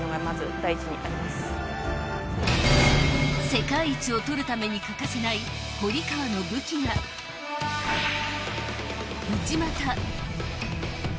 世界一を取るために欠かせない堀川の武器が内股。